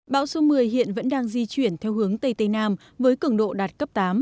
bão số một mươi hiện vẫn đang di chuyển theo hướng tây tây nam với cường độ đạt cấp tám